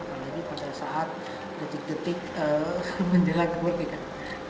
apalagi pada saat detik detik menjelang kemerdekaan